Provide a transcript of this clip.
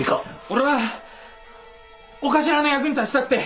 俺はお頭の役に立ちたくて！